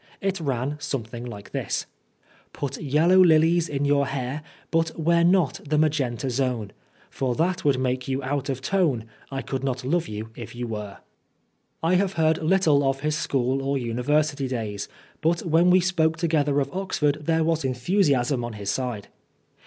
It ran something like this :" Put yellow lilies in your hair, But wear not the magenta zone, For that would make you out of tone, I could not love you if you were/' I heard little of his school or University days, but when we spoke together of Oxford there was enthusiasm on his side.